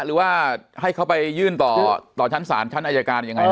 หรือว่าให้เขาไปยื่นต่อชั้นศาลชั้นอายการยังไง